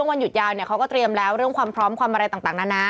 นะนี้นี้หลายคนก็เป็นกังวลเรื่องว่าเออแล้วบ